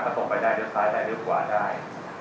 ส่งไปได้เลี้ยซ้ายได้เลี้ยวขวาได้